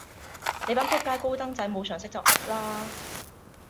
你班仆街高登仔無常識就噏啦